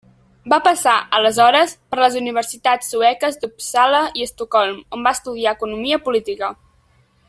Va passar, aleshores, per les universitats sueques d'Uppsala i Estocolm, on va estudiar Economia política.